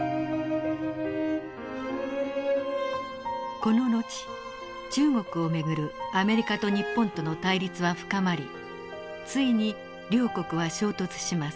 この後中国を巡るアメリカと日本との対立は深まりついに両国は衝突します。